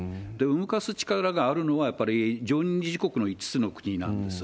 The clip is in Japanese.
動かす力があるのは、やっぱり常任理事国の５つの国なんです。